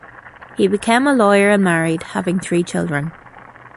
He became a lawyer and married, having three children.